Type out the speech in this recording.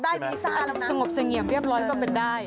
ได้มีสะอาลำนะสงบเสียงเหงียบเรียบร้อยก็เป็นได้